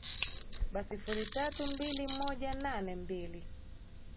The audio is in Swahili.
ba sifuri tatu mbili moja nane mbili